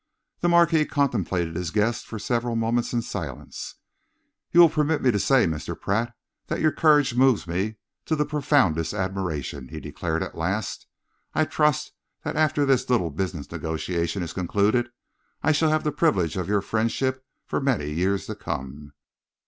The Marquis contemplated his guest for several moments in silence. "You will permit me to say, Mr. Pratt, that your courage moves me to the profoundest admiration," he declared at last. "I trust that after this little business negotiation is concluded, I shall have the privilege of your friendship for many years to come."